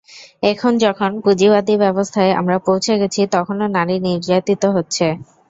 এখন যখন পুঁজিবাদী ব্যবস্থায় আমরা পৌঁছে গেছি, তখনো নারী নির্যাতিত হচ্ছে।